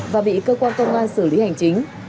và bị cơ quan công an xử lý hành chính